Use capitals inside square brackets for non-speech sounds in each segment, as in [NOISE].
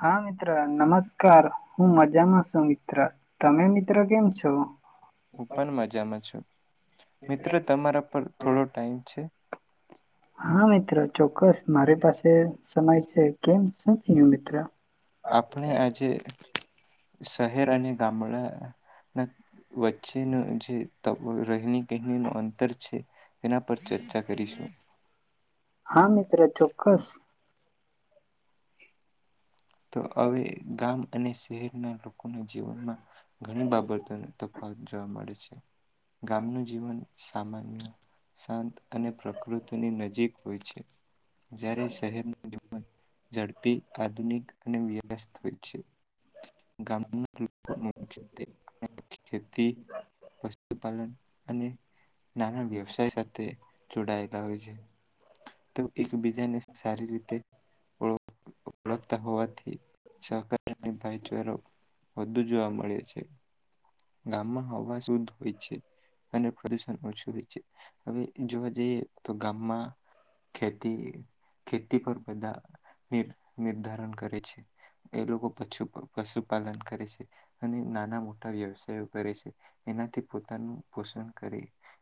હા મિત્ર નમસ્કાર હું મ જમા સંગી હું પણ મજામાં છું મિત્ર તમારા પર થોડો ટાઈમ છે હા મિત્ર ચોક્કસ મારી પાસે સમય છે કેમું મિત્ર શહેર અને ગામડા વચ્ચેનું જે રહેની કહેણીનું અંતર છે તેના પર ચર્ચા કરીશું હા મિત્ર ચોક્કસ તો હવે ગામ અને શહેરના લોકો કો જીવનમાં ઘણી બાબતોને તકવાત જોવા મળે છે ગામનું જીવન સામાન્ય શાંત અને પ્રકૃતિની નજીક હોય છે જય્યારે શહેરનું ડન ઝડપી આધુનિક હોય છે ગામ ખેતી પશુપાલન અને નાના વ્યવસાય સાથે જોડાયેલા હોય છે તો એકબીજાને સારી રીતે ઓ થી સકાર ભાઈચારો વધુ જોવા મળે છે ગામમાં હવા શુદ્ધ હોય છે અને પ્રદુષણ ઓછું હોય છે હવે જોવા જઈએ તો ગામમાં ખેતી ખેતી પર બધા નિર્ધાર એ લોકો પુ પશુપાલન કરે છે અને નાના મોટા વ્યવસાયો કરે છે એનાથી પોતાનું પોષણ કરે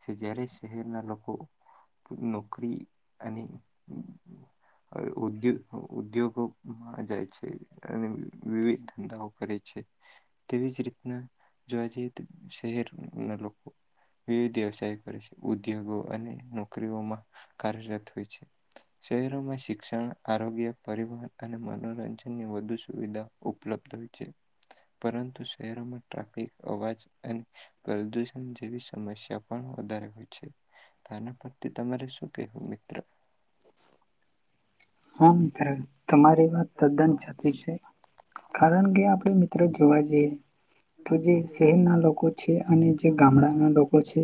છે જારે શહેરના લોકો નોકરી અને ઉદ્યોગો જાય છે અને વિવિધ ધંધાઓ કરે છે તેવીજ રીતના જોવા જઈએ તો શહેરના લોકો વિવિધ વ્યવસાય કરે છે ઉદ્યોગો અને નોકરીઓમાં કાર્યરત હોય છે શહેરોમાં શિક્ષણ આરોગ્ય પરિવહન મનોરંજન ની વધુ સુવિધા ઉપલબ્ધ હોય છે પરંતુ શહેરોમાં ટ્રાફિક અવાજ અને પ્રદુષણ જેવી સમસ્યા પણ વધારે હોય છે પરથી તમારે શુંવું મ્ર [INAUDIBLE] હા ત્યારે તમારી વાત તદ્દન થતી છે કારણ કે આપણે મિત્રો જોવા જઈએ તો જે શહેરના લોકો છે અને જે ગામડાના લોકો છે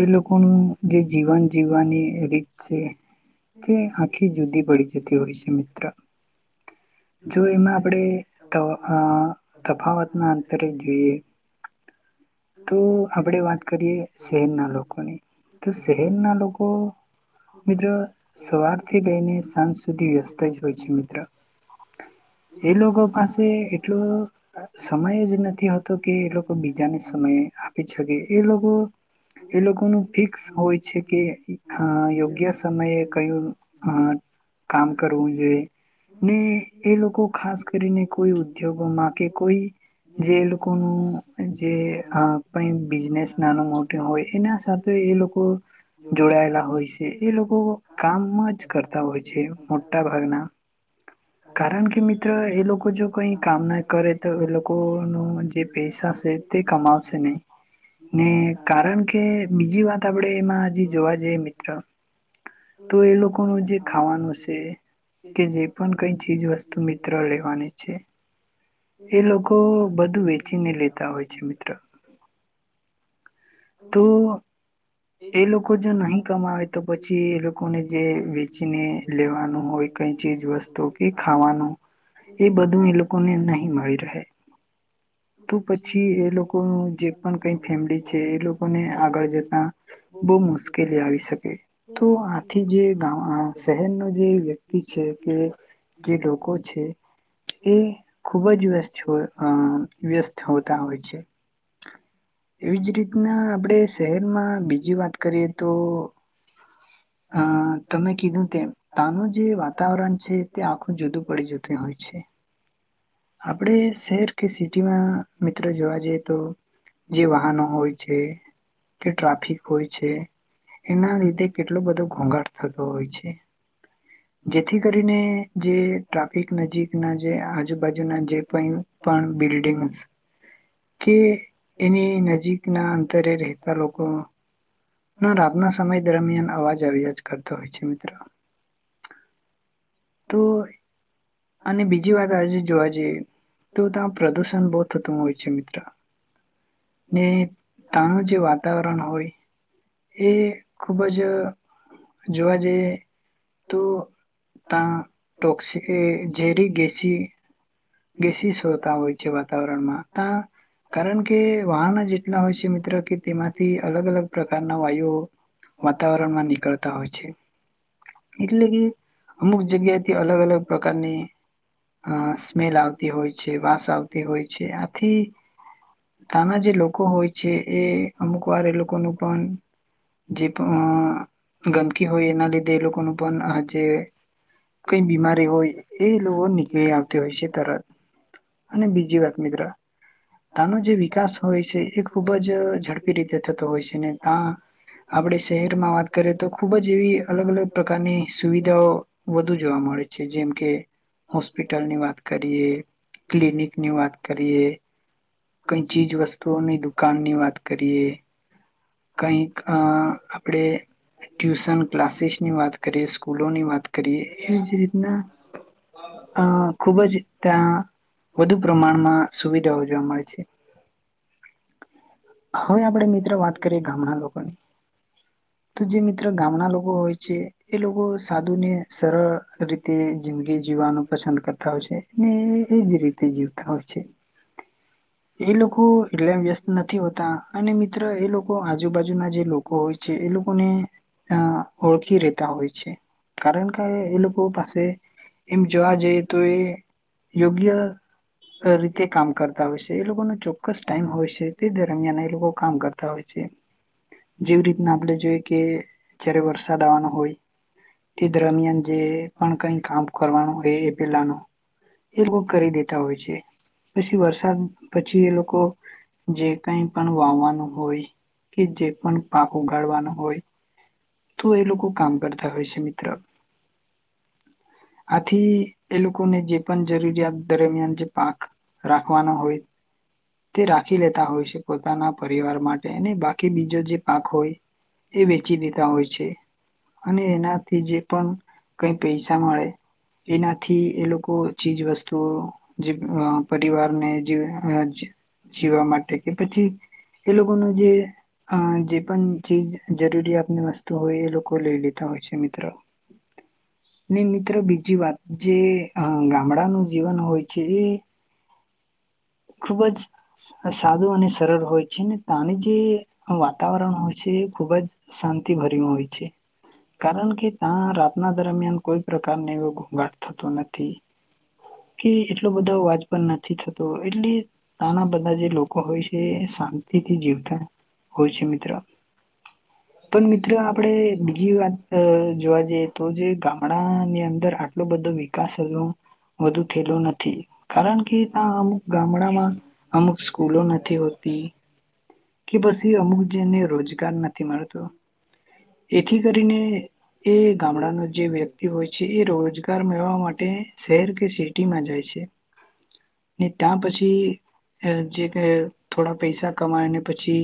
એ લોકોનું જે જીવન જીવવાની રીત છે તે આખી જુદી હોય છે જો એમાં આપણે તફાવત ના અંતરે જોઈએ તો આપડે વાત કરીએ શહેરના લોકોની તો શહેરના લોકો મિત્રો સવારથી લઈને સાંજ સુધી વ્યસ્ત હોય છે મિત્ર એ લોકો પાસે એટલો સમય જ નથીતો કે એ લોકો બીજાને સમ આપી શકે એ લોકો એ લોકોનું ફિક્સ હોય છે કે યોગ્ય સમયે કયું કામ કરવું જોઈએ ને એ લોકો ખાસ કરીને કોઈ ઉદ્યોગોમાં કે કોઈ જે એ લોકોનું જે અ કઈ બિઝનેસ નાનું મોટું હોય એના સાથે એ લોકો જોડાયેલા હોય છે એ લોકો કામ જ કરતા હોય છે મોટા ભાગના કારણ કે મિત્ર એ લોકો જો કઈ કામ ના કરે તો એ લોકો ન જે પૈસા છે તે કમાવ ન ને કારણ કે બીજી વાત આપણેે એમાં હજી જોવા જઈએ મિત્ર તો એ લોકોનું જે ખાવાનું છે કે જે પણ કઈ ચીજ વસ્તુ મિત્ર લેવાની છે એ લોકો બધું વેચીને લેતા હોય છે મિત્ર તો એ લોકો જો નહી કમાવે તો પછી એ લોકોને જે વેચીને લેવાનું હોય કઈ ચીજ વસ્તુ કે ખાવાનું એ બધું એ લોકોને નહી મળી રહે તો પછી એ લોકો પણ કઈ ફેમલી છે ને આગળ જતા બહુ મુશ્કેલી આવી શકે તો આથી જે શહેરનો જે વ્યક્તિ છે કે જે લોકો છે એ ખુબ જ વ્યસ્ત વ્યસ્ત હોતા હોય છે તે એવી જ રીતના આપણે શહેરમાં બીજી વાત કરીએ તો અ તમે કીધું તેમ તનું જે વાતાવરણ છે તે આખું જુદું પડી જતું હોય છે આપણે શહેર કે સિટીમાં મિત્રો જોવા જઈએ તો જે વાહનો હોય છે કે ટ્રાફિક હોય છે એના લીધે કેટલો બધો ઘોઘાટ થતો હોય છે જેથી કરીને જે ટ્રાફિક નજીકના જે આજુબાજુના જે પણ બિલ્ડંગસ કે એની નજીકના અંતરે રહેતા લોકો ન રાતના સમય દરમિયાન અવાજ આવ્યા જ કરતા હોય છે મિત્રો તો અને બીજી વાત આજે જોવા જઈએ તો ત્યાં પ્રદુષણ બહુ થતું હોય છે મિત્ર ને તાણું જે વાતાવરણ હોય એ ખુબ જ જોવા જઈએ તો ત ટોક્સી જેરી ગેસીી ગસીસ હોતા હોય છે વાતાવરણમાં ત કારણ કે વાહનો જેટલા હોય છે મિત્રો કે તેમાંથી અલગ અલગ પ્રકારના વાયુ વાતાવરણમાં નીકળતા હોય છે એટલે કે અમુક જગ્યાથી અલગ અલગ પ્રકારની અ મેલ આવતી હોય છે વાસ આવતી હોય છે આથી તના જે લોકો હોય છે એ અમુક વાર એ લોકોનું પણ જે ગંદકી હોય એના લીધે એ લોકોનું પણ જે કઈ બીમારી હોય એ લોકો નીકળી હોય છે તરત અને બીજી વાત મિત્ર ત્યાનો જે વિકાસ હોય છે એ ખૂબ જ ઝડપી રીતે થતો હોય છે ને ત્યાં આપણે શહેરમાં વાત કરીએ તો ખૂબ જ એવી અલગ અલગ પ્રકારની સુવિધાઓ વધુ જોવા મળે છે જેમકે હોસ્પિટ હોલની વાત કરીએ ક્લિનિક ની વાત કરીએ કઈ ચીજ વસ્તુઓની દુકાન ની વાત કરીએ કઈક આપડે ટ્યુશન ક્લાસીસની વાત કરીએ સ્કૂલોની વાત કરી કરીએ એ જેના અ ખૂબ જ ત્યાં વધુ પ્રમાણમાં સુવિધાઓ જોવા મળે છે હવે આપણેે મિત્ર વાત કરીએ ગામના લોકોની તો જે મિત્ર ગામના લોકો હોય છે, એ લોકો સાદુ ને સરળ રીતે જિંદગી જીવવાનું. પસંદ કરતા હોય છે ને એજ રીતે જીવતા હોય છે. એ લોકો એટલે વ્યસ્ત નથી હોતા અને મિત્ર એ લોકો આજુબાજુના જે લોકો હોય છે, એ લોકોને ઓળખી રેતા હોય છે કારણ કે એ લોકો પાસે એમ જોવા જઈએ તો એ યોગ્ય રીતે કામ કરતા હોય છે. એ લોકો ન ચોક્કસ ટાઈમ હોય છે તે દરમિયાન એ લોકો કામ કરતા હોય છે, જેવી રીતના આપણે જોઈ કે જયારે વરસાદ આવવાનો હોય તે દરમિયાન જે પણ કઈ કામ કરવાનું. બે એ પેલા ન એ લોકો કરી દેતા હોય છે પછી વરસાદ. પછી એ લોકો જે કઈ પણ વાવવાનું હોય કે જે પણ પાક ઉગાડવાનો હોય, તો એ લોકો કામ કરતા હોય છે મિત્ર. થી એ લોકોને જે પણ જરૂરિયાત દરમિયાન જે પાક રાખવાનો હોય તે રાખી લેતા હોય છે પોતાના પરિવાર માટે અને બાકી બીજો જે પાક હોય એ વેચી દેતા હોય છે, અને એનાથી જે પણ કઈ પૈસા મળે. એનાથી એ લોકો ચીજ વસ્તુઓ જે પરિવારને જ જીવ જીવવા માટે કે પછી એ લોકોનો જે જે પણ ચીજ જરૂરિયાતની વસ્તુ હોય એ લોકો લઈ લેતા હોય છે મિત્ર ને મિત મિત્ર બીજી વાત જે ગામડાનું જીવન હોય છે એ. ખુબ જ સાદું અને સરળ હોય છે ને ત્યાંને જે વાતાવરણ હોય છે એ ખુબ જ શાંતિભર્યું હોય છે, કારણ કે ત્યાં રાતના દરમિયાન કોઈ પ્રકા ર એવો ઘોંઘાટ થતો નથી કે એટલો બધો અવાજ પણ નથી થતો. તો એટલે તના બધા જે લોકો હોય છે શાંતિ થી જીવતા હોય છે મિત્ર, પણ મિત્ર આપણે બીજી વાત જોવા જઈએ તો જે ગામડા. ની અંદર આટલો બધો વિકાસ વધુ થયેલો નથી કારણ કે અમુક ગામડામાં અમુક સ્કૂલો નથી હોતી કે પછી અમુક જેને રોજગાર નથી મળતો, એથી કરીને એ ગામડાનો જે વ્યક્તિ. હોય છે એ રોજગાર મેળવા માટે શહેર કે સિટીમાં જાય છે. ને ત્યાં પછી જે થોડા પૈસા કમાયને પછી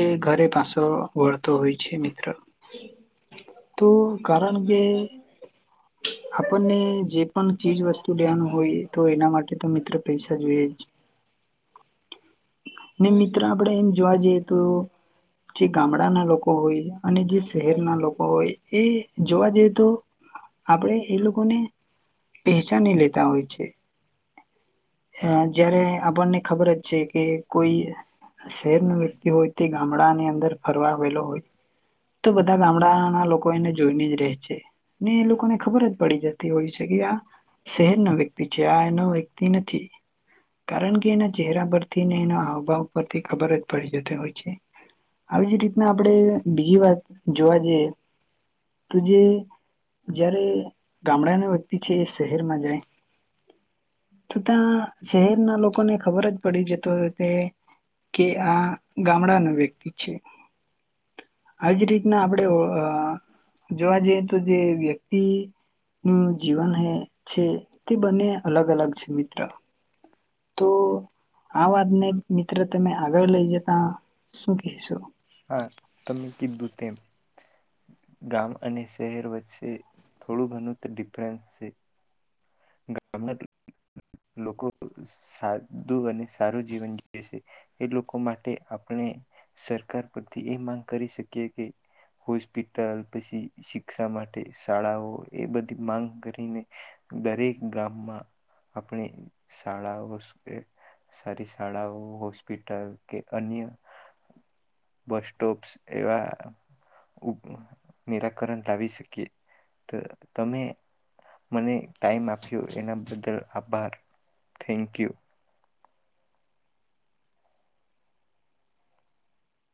એ ઘરે પાછો વળતો હોય છે મિત્ર તો કારણ કે. આપણને જે પણ ચીજ વસ્તુ લેવાનું હોય તો એના માટે તો મિ પૈસા જોઈએ જ. ને મિત્ર આપણેે એમ જોવા જઈએ તો, જે ગામડાના લોકો હોય અને જે શહેરના લોકો હોય એ જોવા જઈએ તો આપણેે એ લોકોને પહેચાની લેતા હોય છે. હા જયારે આપણને ખબર જ છે કે. કોઈ શહેર નો વ્યક્તિ હોય તે ગામડા ની અંદર ફરવા આવેલો હોય તો બધા ગામડા ના લોકો એને જોઈને જ રહે છે, ને એ લોકોને ખબર જ પડી જતી હોય છે કે આ શહેરનો વ્યક્તિ છે આ એનો વ્યક્તિ કારણ કે એના ચહેરા પરથીને હભાવ પરથી ખબર જ પડી જતી હોય છે, આવી જ રીતના આપણે બીજી વાત જોવા જઈએ તો જે જ્યારે ગામડાના વ્યક્તિ છે એ શહેરમાં જાય. તો ત્યાં શહેરના લોકો ને ખબર જ પડી જતો કે આ ગામડાનો વ્યક્તિ છે આવી જે રીતના આપણે જોવા જઈએ તો જે વ્યક્તિ જીવન છે તે બંને અલગ અલગ છે સુમિત્રા હા તમે કીધું તેમ ગામ અને શહેર વચ્ચે તે થોડું ઘણું તો ડિફરન્સ છે ગામના લોકો સાદું અને સારું જીવન જી છે એ લોકો માટે આપણે સરકાર પરથી એ માંગ કરી શકીએ કે હોસ્પિટલ પછી શિક્ષા માટે શાળાઓ એ બધી માંગ કરીને દરેક ગામમાં આપણે શાળા સારી શાળાઓ હોસ્પિટલ કે અન્ય બસ સોપ્સ એવા નિરાકરણ લાવી શકીએ તમે મને ટાઈમ આપ્યો એના બદલ આભાર થેન્ક યુ